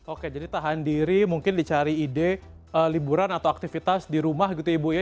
oke jadi tahan diri mungkin dicari ide liburan atau aktivitas di rumah gitu ibu ya